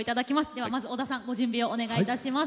ではまず織田さんご準備をお願いいたします。